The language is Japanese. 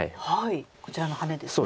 こちらのハネですね。